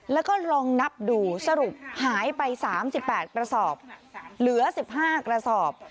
แล้วก็ลองนับดูสรุปหายไป๓๘กระสอบเหลือ๑๕กระสอบ